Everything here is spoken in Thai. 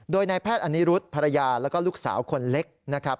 โดยนายแพทย์อนิรุธภรรยาแล้วก็ลูกสาวคนเล็กนะครับ